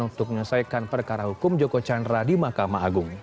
untuk menyelesaikan perkara hukum joko chandra di mahkamah agung